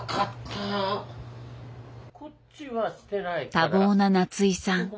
多忙な夏井さん。